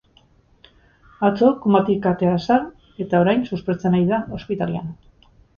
Atzo, komatik atera zen, eta orain suspertzen ari da ospitalean.